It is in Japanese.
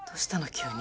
急に。